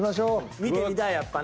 見てみたいやっぱな。